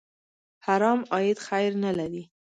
حرام عاید خیر نه لري.